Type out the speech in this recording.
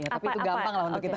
tapi itu gampang lah untuk kita